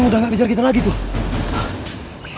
udah gak kejar kita lagi tuh